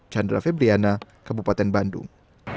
chandra febriana kabupaten bandung